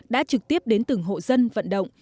đã trực tiếp đến từng hộ dân vận động